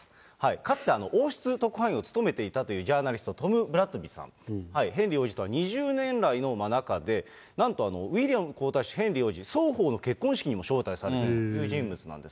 かつて王室特派員を務めていたというジャーナリスト、トム・ブラッドビーさん、ヘンリー王子とは２０年来の仲で、なんとウィリアム皇太子、ヘンリー王子、双方の結婚式にも招待されているという人物なんです。